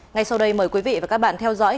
ngay sau đây mời quý vị và các bạn theo dõi